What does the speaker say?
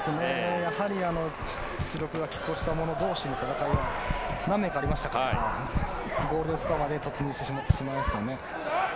やはり実力がきっ抗した者同士の戦いが何名かありましたからゴールデンスコアまで突入してしまいますね。